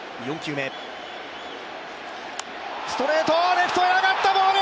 レフトへ上がったボール！